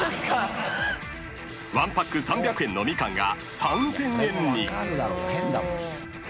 ［１パック３００円のミカンが３，０００円に］